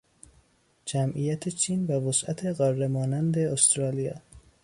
جمعیت چین و وسعت قاره مانند استرالیا